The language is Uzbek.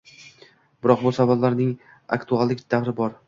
Biroq bu savollarning aktuallik davri bor